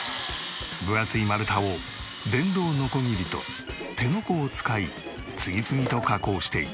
分厚い丸太を電動ノコギリと手ノコを使い次々と加工していく。